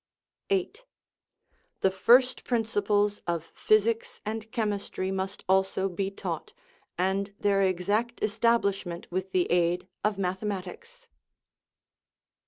8. The first principles of physics and chemistry must also be taught, and their exact establishment with the aid of mathematics.